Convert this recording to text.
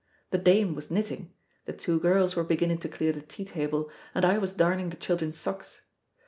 The dame was knitting, the two girls were beginning to clear the tea table, and I was darning the children's socks.